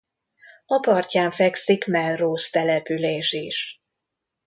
A partján fekszik Melrose település is.